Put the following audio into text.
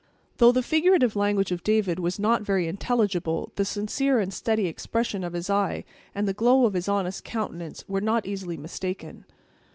Though the figurative language of David was not very intelligible, the sincere and steady expression of his eye, and the glow of his honest countenance, were not easily mistaken.